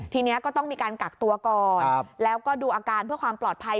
ทีนี้ก็ต้องมีการกักตัวก่อนแล้วก็ดูอาการเพื่อความปลอดภัย